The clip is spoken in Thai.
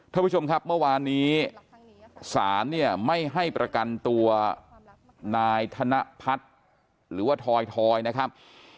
ท่านผู้ชมครับเมื่อวานนี้ศาลเนี่ยไม่ให้ประกันตัวนายธนพัฒน์หรือว่าทอยนะครับ